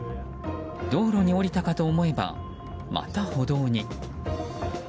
道路に降りたかと思えばまた歩道に。